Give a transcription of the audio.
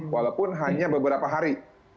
walaupun hanya beberapa hari